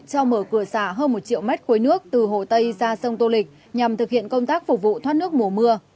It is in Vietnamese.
cho mở cửa xả hơn một triệu mét khối nước từ hồ tây ra sông tô lịch nhằm thực hiện công tác phục vụ thoát nước mùa mưa